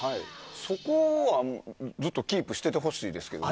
そこはずっとキープしててほしいですけどね。